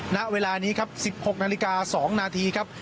ณเวลานี้ครับสิบหกนาฬิกาสองนาทีครับ